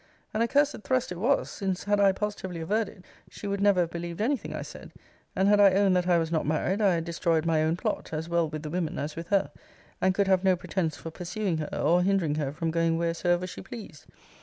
And a cursed thrust it was; since, had I positively averred it, she would never have believed any thing I said: and had I owned that I was not married, I had destroyed my own plot, as well with the women as with her; and could have no pretence for pursuing her, or hindering her from going wheresoever she pleased.